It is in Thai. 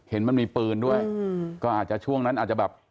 มันมีปืนด้วยก็อาจจะช่วงนั้นอาจจะแบบ